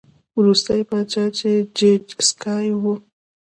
وروستی پاچا یې جیډ سکای و